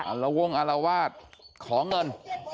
ละวงอารวาสขอเงิน